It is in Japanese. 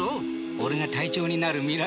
俺が隊長になる未来も。